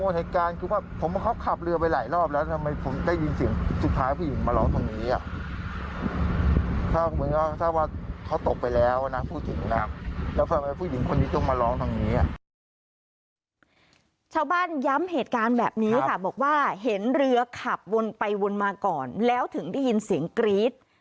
ย้ำเหตุการณ์แบบนี้ค่ะบอกว่าเห็นเรือขับวนไปวนมาก่อนแล้วถึงได้ยินเสียงกรี๊ด